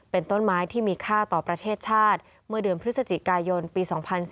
เป็นต้นไม้ที่มีค่าต่อประเทศชาติเมื่อเดือนพฤศจิกายนปี๒๔